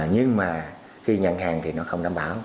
nhưng mà khi nhận hàng thì nó không đảm bảo